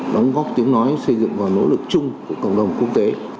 đóng góp tiếng nói xây dựng và nỗ lực chung của cộng đồng quốc tế